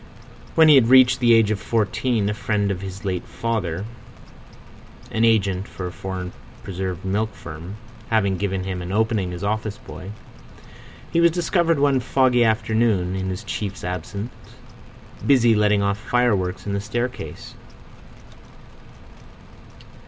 When he had reached the age of fourteen a friend of his late father, an agent for a foreign preserved milk firm, having given him an opening as office boy, he was discovered one foggy afternoon, in his chief's absence, busy letting off fireworks on the staircase.